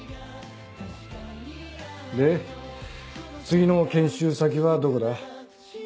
うんで次の研修先はどこだ？